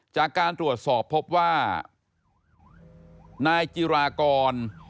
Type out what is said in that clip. จากการตรวจสอบพบว่านายจิรากร